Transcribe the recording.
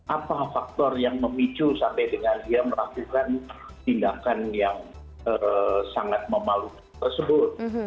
apa faktor yang memicu sampai dengan dia melakukan tindakan yang sangat memalukan tersebut